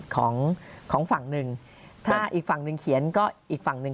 ของของฝั่งหนึ่งถ้าอีกฝั่งหนึ่งเขียนก็อีกฝั่งหนึ่ง